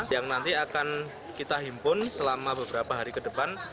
yang nanti akan kita himpun selama beberapa hari ke depan